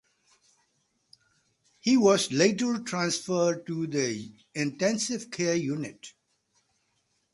He was later transferred to the intensive care unit.